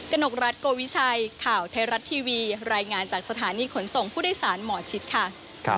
นกรัฐโกวิชัยข่าวไทยรัฐทีวีรายงานจากสถานีขนส่งผู้โดยสารหมอชิดค่ะ